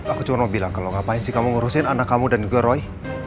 aku cuma mau bilang kalau ngapain sih kamu ngurusin anak kamu dan juga roy